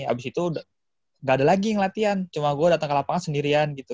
habis itu enggak ada lagi yang latihan cuma gue datang ke lapangan sendirian gitu